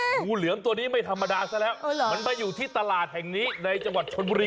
งูเหลือมตัวนี้ไม่ธรรมดาซะแล้วมันมาอยู่ที่ตลาดแห่งนี้ในจังหวัดชนบุรี